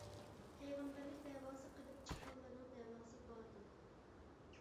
پەيغەمبەرلىك دەۋاسى قىلىپ چىققانلارنىڭ دەۋاسى باتىل.